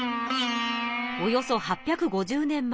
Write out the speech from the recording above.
およそ８５０年前。